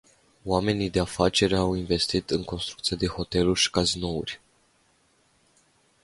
Oamenii de afaceri au investit în construcția de hoteluri și cazinouri.